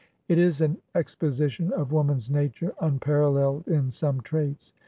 It is an exposition of woman's nature un paralleled in some traits.